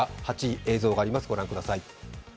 映像があります、ご覧ください。